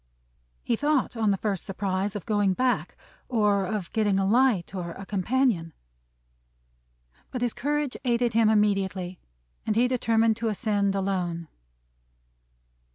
He thought, on the first surprise, of going back; or of getting a light, or a companion; but his courage aided him immediately, and he determined to ascend alone.